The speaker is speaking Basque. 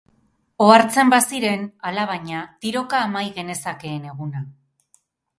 Ohartzen baziren, alabaina, tiroka amai genezakeen eguna.